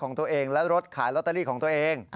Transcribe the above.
ของตัวเองและรถขายลอตเตอรี่ของตัวเอง